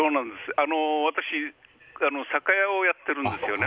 私、酒屋をやってるんですよ。